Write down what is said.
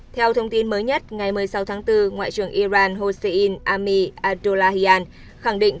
theo thông tin mới nhất ngày một mươi sáu tháng bốn ngoại trưởng iran hossein ami adullahian khẳng định